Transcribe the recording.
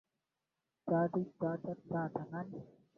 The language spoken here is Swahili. za kimarekani za muziki wa kufokafoka rap na tamaduni